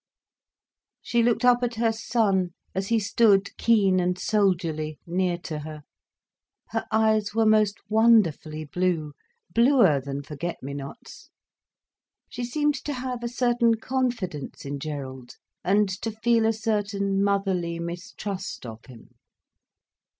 She looked up at her son, as he stood, keen and soldierly, near to her. Her eyes were most wonderfully blue, bluer than forget me nots. She seemed to have a certain confidence in Gerald, and to feel a certain motherly mistrust of him.